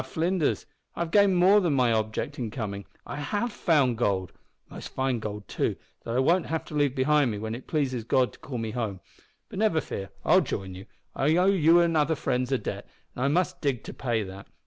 "Ah, Flinders, I have gained more than my object in coming. I have found gold most fine gold, too, that I won't have to leave behind me when it pleases God to call me home. But never fear, I'll join you. I owe you and other friends a debt, and I must dig to pay that.